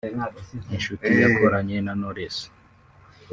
Inshuti yakoranye na Knowless